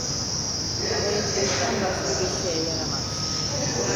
Alay etmekten başka bir şeye yaramaz…